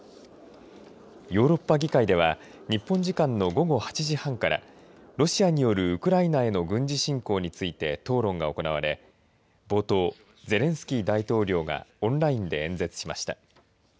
ヨーロッパ議会では日本時間の午後８時半からロシアによるウクライナへの軍事進攻について討論が行われ冒頭、ゼレンスキー大統領がオンラインで演説しました。